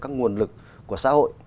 các nguồn lực của xã hội